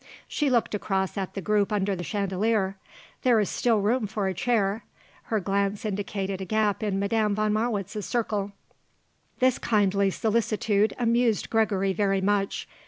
She looked across at the group under the chandelier. "There is still room for a chair." Her glance indicated a gap in Madame von Marwitz's circle. This kindly solicitude amused Gregory very much.